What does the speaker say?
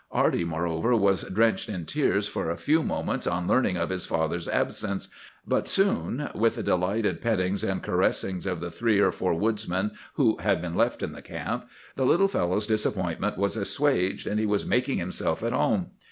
Arty, moreover, was drenched in tears for a few moments on learning of his father's absence; but soon, with the delighted pettings and caressings of the three or four woodsmen who had been left in the camp, the little fellow's disappointment was assuaged, and he was making himself at home.